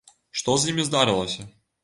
Што з імі здарылася?